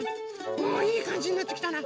おおいいかんじになってきたな。